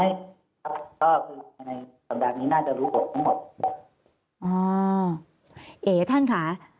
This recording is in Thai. ในสัปดาห์นี้น่าจะรู้ข่วงหมดเอ่อท่านค่ะ